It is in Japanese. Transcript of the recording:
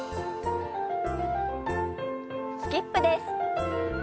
スキップです。